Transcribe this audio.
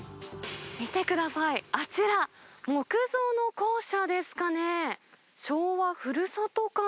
見てください、あちら、木造の校舎ですかね。